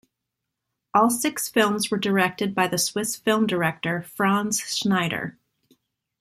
All six films were directed by the Swiss film director Franz Schnyder.